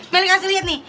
meli kasih liat nih